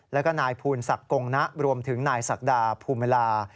แล้วก็นายภูนศักดิ์กงนะรวมถึงนายศักดาภูมิลา